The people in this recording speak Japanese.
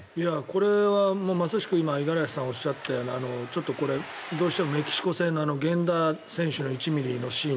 これはまさしく今五十嵐さんがおっしゃったようなどうしてもメキシコ戦のあの源田選手の１ｍｍのシーン